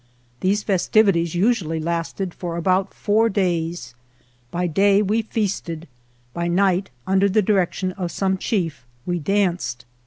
These festivities usually lasted for about four days. By day we feasted, by night under the direction of some chief we danced.